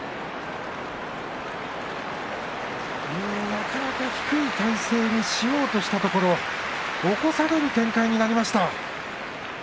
なかなか低い体勢にしようとしたところ起こされる展開になりました。